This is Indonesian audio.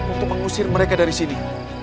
untuk mengusir mereka dari sini